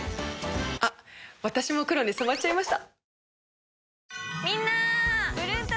あっ私も黒に染まっちゃいました。